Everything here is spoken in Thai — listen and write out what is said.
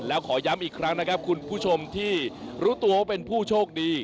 แล้วขอย้ำอีกครั้งนะครับคุณผู้ชมที่รู้ตัวว่าเป็นผู้โชคดี